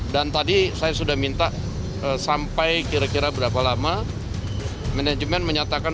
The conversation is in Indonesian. dan tadi saya sudah minta sampai kira kira berapa lama manajemen menyatakan